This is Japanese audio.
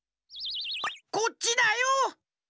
こっちだよ。